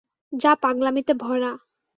যা পাগলামিতে ভরা।